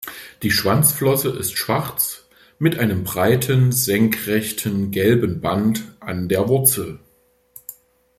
Die Schwanzflosse ist schwarz, mit einem breiten, senkrechten, gelben Band an der Wurzel.